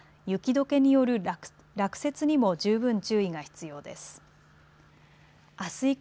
雪どけによる落雪にも十分注意が必要です。